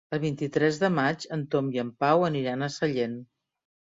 El vint-i-tres de maig en Tom i en Pau aniran a Sellent.